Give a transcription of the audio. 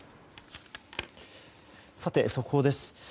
さて、速報です。